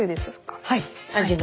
はい。